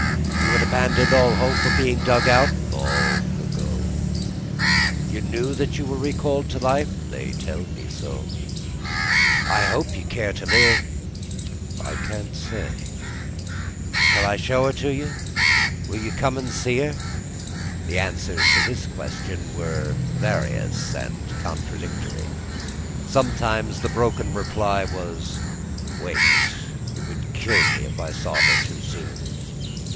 "You had abandoned all hope of being dug out?" "Long ago." "You know that you are recalled to life?" "They tell me so." "I hope you care to live?" "I can't say." "Shall I show her to you? Will you come and see her?" The answers to this question were various and contradictory. Sometimes the broken reply was, "Wait! It would kill me if I saw her too soon."